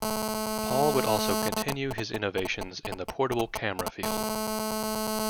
Paul would also continue his innovations in the portable camera field.